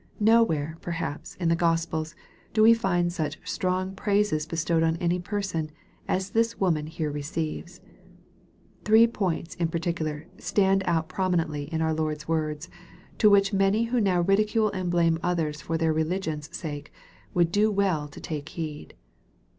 No where, perhaps, in the Gospels, do we find such strong praises bestowed on any person, as this woman here receives. Three points, in particular, stand out promi nently in our Lord's words, to which many who now ridicule and blame others for their religion's sake, would do well to take heed.